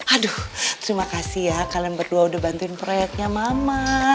aduh terima kasih ya kalian berdua udah bantuin proyeknya mama